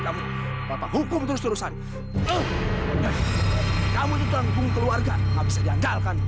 gekommen tadi dumpi ibu kau